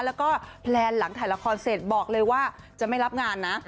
แล้วก็แพลนหลังถ่ายละครเสร็จบอกเลยว่าจะไม่รับงานนะ